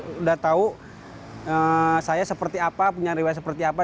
sudah tahu saya seperti apa punya riwayat seperti apa